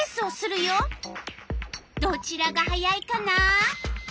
どちらが速いかな？